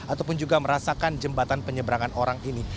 ataupun juga merasakan jembatan penyeberangan orang ini